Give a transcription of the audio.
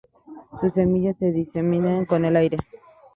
Sus semillas se diseminan con el aire.